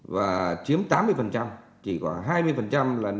và chiếm tám mươi chỉ có hai mươi là năng lượng